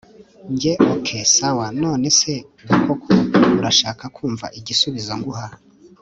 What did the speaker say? Njye ok sawa none se ubwo koko urashaka kumva igisubizo nguha